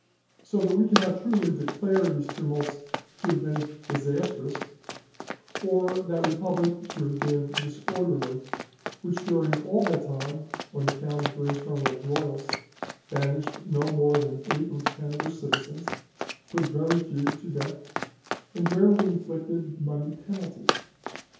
So that we cannot truly declare those tumults to have been disastrous, or that republic to have been disorderly, which during all that time, on account of her internal broils, banished no more than eight or ten of her citizens, put very few to death, and rarely inflicted money penalties.